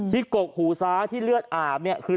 กกหูซ้ายที่เลือดอาบเนี่ยคือ